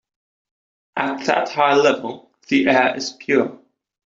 At that high level the air is pure.